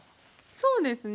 そうですね。